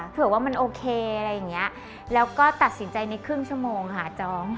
เผื่อว่ามันโอเคอะไรอย่างนี้แล้วก็ตัดสินใจในครึ่งชั่วโมงค่ะจองค่ะ